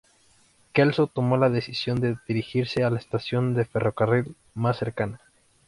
Kelso tomó la decisión de dirigirse a la estación de ferrocarril más cercana.